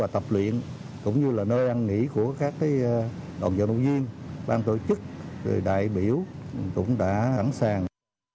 tập luyện cũng như là nơi ăn nghỉ của các đoàn giao động viên ban tổ chức đại biểu cũng đã sẵn sàng